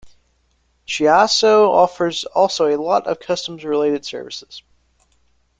Chiasso offers also a lot of customs related services.